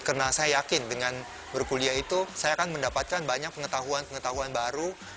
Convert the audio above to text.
karena saya yakin dengan berkuliah itu saya akan mendapatkan banyak pengetahuan pengetahuan baru